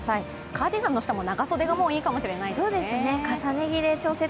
カーディガンの下も長袖がいいかもしれませんね。